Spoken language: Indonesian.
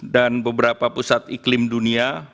dan beberapa pusat iklim dunia